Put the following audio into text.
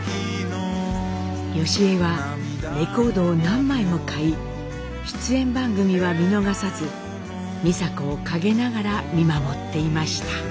祥江はレコードを何枚も買い出演番組は見逃さず美佐子を陰ながら見守っていました。